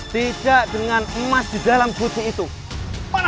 aku hanya menjual tanah ini kepadamu